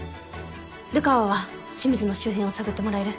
流川は清水の周辺を探ってもらえる？